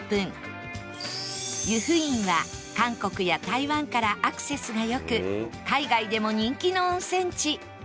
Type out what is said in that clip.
湯布院は韓国や台湾からアクセスが良く海外でも人気の温泉地